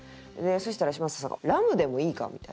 そしたら嶋佐さんがラムでもいいか？みたいな。